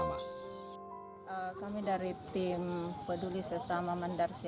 kami dari tim peduli sesama mandarsi